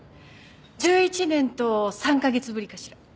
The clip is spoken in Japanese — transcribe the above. １１年と３カ月ぶりかしら？